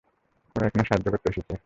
ওরা এখানে সাহায্য করতে এসেছে।